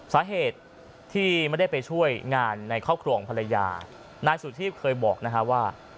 สาเหตุที่ไม่ได้ไปช่วยงานในครอบครัวของภรรยานายสุเทพเคยบอกนะฮะว่า